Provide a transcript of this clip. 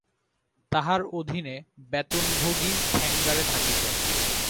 তাঁহার অধীনে বেতনভোগী ঠ্যাঙাড়ে থাকিত।